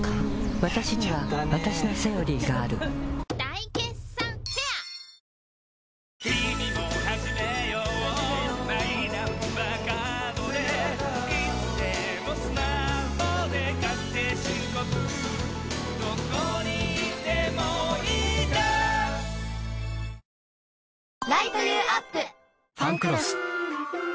わたしにはわたしの「セオリー」がある大決算フェア「ファンクロス」